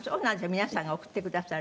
皆さんが送ってくださる？